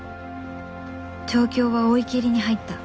調教は追い切りに入った。